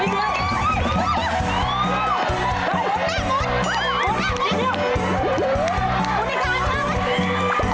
เริ่มเลย